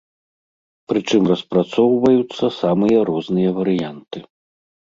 Прычым распрацоўваюцца самыя розныя варыянты.